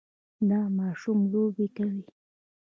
دا ماشوم لوبې کوي.